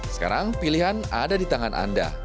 sekarang pilihan ada di tangan anda